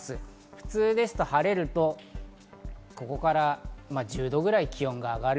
普通ですと晴れるとここから１０度ぐらい気温が上がる。